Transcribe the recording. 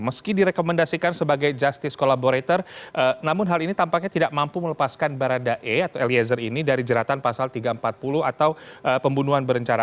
meski direkomendasikan sebagai justice collaborator namun hal ini tampaknya tidak mampu melepaskan barada e atau eliezer ini dari jeratan pasal tiga ratus empat puluh atau pembunuhan berencana